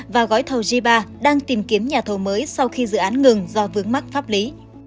và gói thầu g ba đang tìm kiếm nhà thầu mới sau khi dự án ngừng do vướng mắc pháp lý